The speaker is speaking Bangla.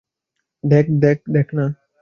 দ্যাখ, দ্যাখ, না।